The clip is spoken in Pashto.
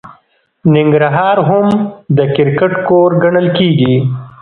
ننګرهار هم د کرکټ کور ګڼل کیږي.